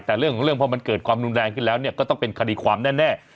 แต่เรื่องของเรื่องพอมันเกิดความรุนแรงขึ้นแล้วก็ต้องเป็นคดีความแน่